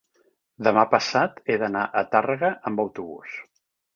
demà passat he d'anar a Tàrrega amb autobús.